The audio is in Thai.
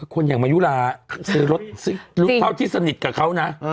คนอย่างมายุลาซื้อรถเท่าที่สนิทกับเขานะ